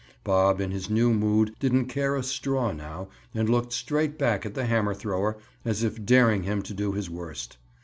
Bob in his new mood didn't care a straw now and looked straight back at the hammer thrower, as if daring him to do his worst.